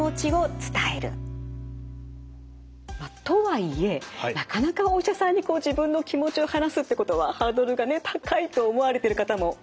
とはいえなかなかお医者さんに自分の気持ちを話すってことはハードルがね高いと思われてる方も多いようなんです。